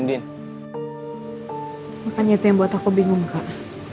makanya itu yang buat aku bingung kak